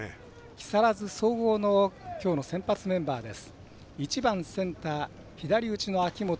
木更津総合のきょうの先発メンバーです。